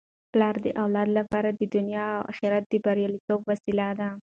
پلار د اولاد لپاره د دنیا او اخرت د بریالیتوب وسیله ده.